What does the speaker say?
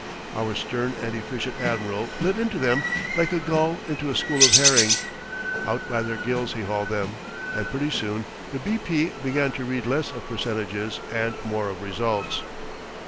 Our stern and efficient admiral lit into them like a gull into a school of herring. Out by their gills he hauled them, and pretty soon the B. P. began to read less of percentages and more of results.